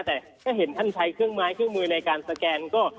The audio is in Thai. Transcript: แต่ถ้าเห็นท่านใช้เครื่องไม้เครื่องมือในการสแกนก็